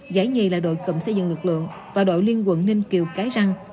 giải nhì là đội cụm xây dựng lực lượng và đội liên quận ninh kiều cái răng